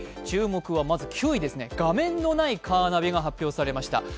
注目はまず９位、画面のないカーナビが発表されました。